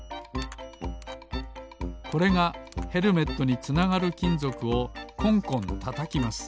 これがヘルメットにつながるきんぞくをコンコンたたきます